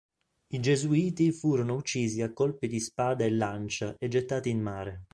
I gesuiti furono uccisi a colpi di spada e lancia e gettati in mare.